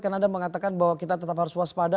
karena anda mengatakan bahwa kita tetap harus waspada